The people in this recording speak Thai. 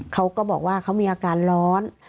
เขาก็บอกว่าเขามีอาการร้อน